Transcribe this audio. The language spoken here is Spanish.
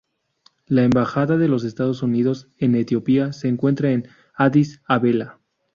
La Embajada de los Estados Unidos en Etiopía se encuentra en Addis Abeba.